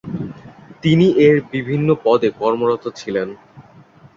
তিনি এর বিভিন্ন পদে কর্মরত ছিলেন।